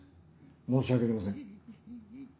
申し訳ありません。